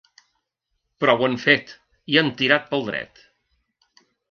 Però ho han fet, i han tirat pel dret.